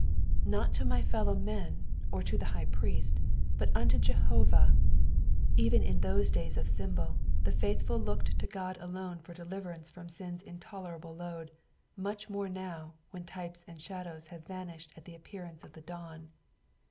Not to my fellow men or to the high priest, but unto Jehovah ; even in those days of symbol the faithful looked to God alone for deliverance from un'a intolerable toad, much more now, when types and shadows have vanished at the appearance of the dawn.